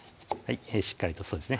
しっかりとそうですね